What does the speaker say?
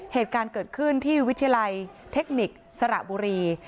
เหตุการณ์เกิดขึ้นที่วิทยาลัยเทคนิคสระบุรี